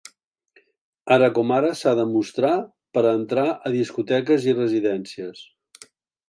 Ara com ara s’ha de mostrar per a entrar a discoteques i residències.